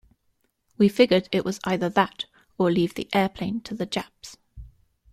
We figured it was either that or leave the airplane to the Japs.